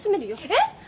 えっ？